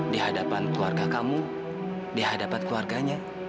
di hadapan keluarga kamu di hadapan keluarganya